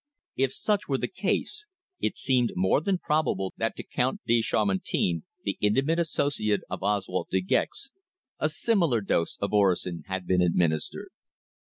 If such were the case, it seemed more than probable that to Count de Chamartin, the intimate associate of Oswald De Gex, a similar dose of orosin had been administered!